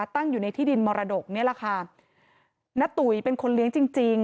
ตั้งอยู่ในที่ดินมรดกนี่แหละค่ะณตุ๋ยเป็นคนเลี้ยงจริงจริง